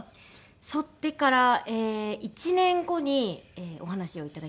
そってから１年後にお話をいただきました。